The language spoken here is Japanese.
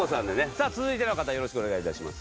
さあ続いての方よろしくお願い致します。